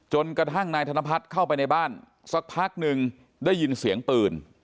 จนกระทั่งนายธนพัฒน์เข้าไปในบ้านสักพักหนึ่งได้ยินเสียงปืน